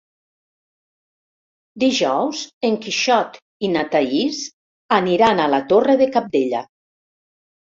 Dijous en Quixot i na Thaís aniran a la Torre de Cabdella.